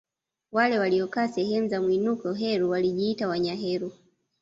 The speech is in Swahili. Wale waliokaa sehemu za mwinuko Heru walijiita Wanyaheru